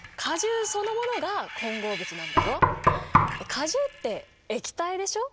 果汁って液体でしょ？